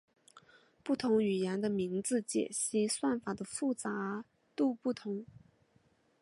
不同语言的名字解析算法的复杂度不同。